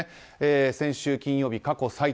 先週金曜日、過去最多。